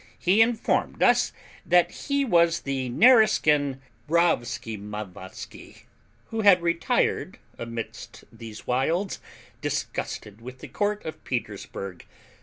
He informed us that he was the Nareskin Rowskimowmowsky, who had retired amidst these wilds, disgusted with the court of Petersburgh.